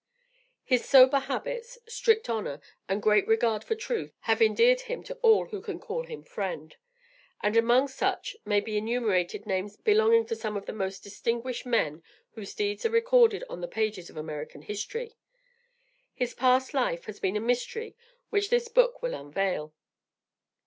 His sober habits, strict honor, and great regard for truth, have endeared him to all who can call him friend; and, among such may be enumerated names belonging to some of the most distinguished men whose deeds are recorded on the pages of American history. His past life has been a mystery which this book will unveil.